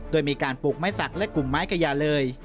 โดยมีการปลูกไม้สักและกลุ่มไม้กระยาเลย